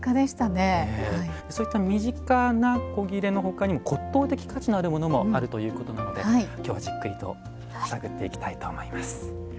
そういった身近な古裂のほかにも骨董的価値のあるものもあるということなので今日はじっくりと探っていきたいと思います。